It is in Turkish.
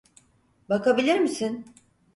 Bakabilir misin?